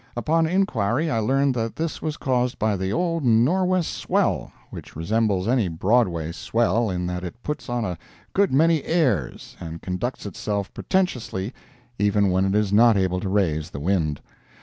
Upon inquiry, I learned that this was caused by the "old nor'west swell," which resembles any Broadway "swell" in that it puts on a good many airs and conducts itself pretentiously even when it is not able to "raise the wind."